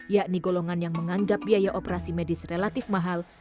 yakni golongan yang menganggap biaya operasi medis relatif mahal